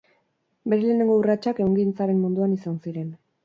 Bere lehenengo urratsak ehungintzaren munduan izan ziren.